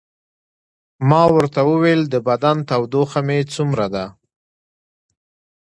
ما ورته وویل: د بدن تودوخه مې څومره ده؟